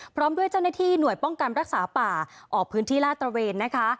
พร้อมด้วยเจ้าหน้าที่หน่วยป้องกันรักษาป่าออกพื้นที่ลาดตระเวนนะคะ